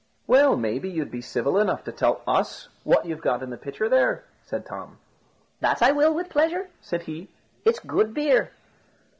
"Well, may be you'd be civil enough to tell us what you've got in the pitcher there?" said Tom. "That I will, with pleasure," said he; "it's good beer."